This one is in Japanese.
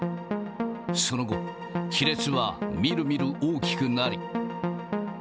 その後、亀裂は、みるみる大きくなり。